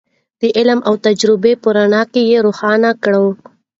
د علم او تجربې په رڼا کې یې روښانه کړو.